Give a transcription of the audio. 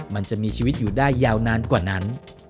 มันจะมีชีวิตอยู่ได้ยาวนานกว่านั้น